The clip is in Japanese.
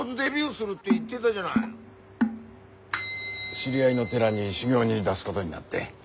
知り合いの寺に修行に出すごどになって。